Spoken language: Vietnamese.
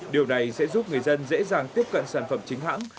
điều này sẽ giúp người dân dễ dàng tiếp cận sản phẩm chính hãng